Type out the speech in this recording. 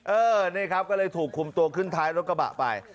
เออนี่ครับก็เลยถูกคุมตัวขึ้นท้ายรถกระบะไป